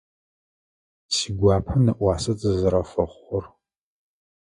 Сигуапэ нэӏуасэ тызэрэзэфэхъугъэр.